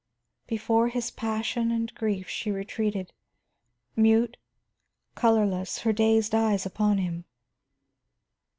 Before his passion and grief she retreated, mute, colorless, her dazed eyes upon him.